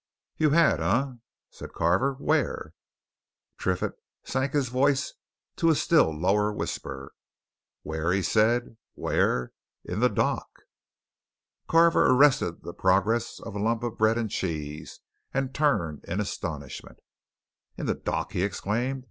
"You had, eh?" said Carver. "Where?" Triffitt sank his voice to a still lower whisper. "Where?" he said. "Where? In the dock!" Carver arrested the progress of a lump of bread and cheese and turned in astonishment. "In the dock?" he exclaimed.